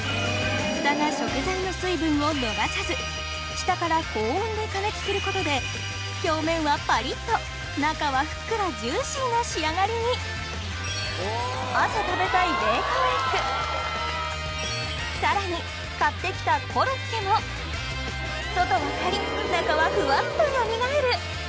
ふたが食材の水分を逃さず下から高温で加熱することで表面はパリっと中はふっくらジューシーな仕上がりに朝食べたいさらに買ってきた外はカリっ中はふわっとよみがえる！